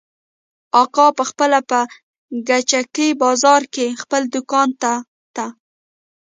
اکا پخپله په کجکي بازار کښې خپل دوکان ته ته.